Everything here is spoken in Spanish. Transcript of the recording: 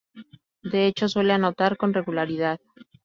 De hecho, suele anotar con regularidad.